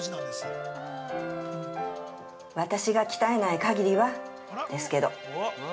私が鍛えない限りは、ですけど。